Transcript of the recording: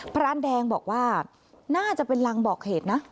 พระแดงบอกว่าน่าจะเป็นรังบอกเหตุนะ